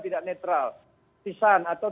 tidak netral partisan atau